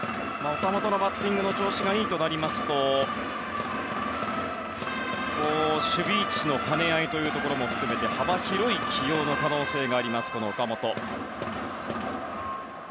岡本のバッティングの調子がいいとなりますと守備位置の兼ね合いというところも含めて幅広い起用の可能性があります岡本。